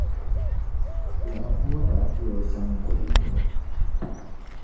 Yaakubu daa be o sani goli yini.